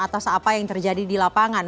atas apa yang terjadi di lapangan